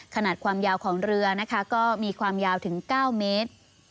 ขนาดความยาวของเรือนะคะก็มีความยาวถึง๙เมตร